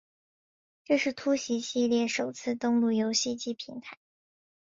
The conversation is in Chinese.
这是突袭系列首次登陆游戏机平台。